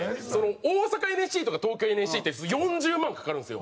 大阪ＮＳＣとか東京ＮＳＣって４０万かかるんですよ。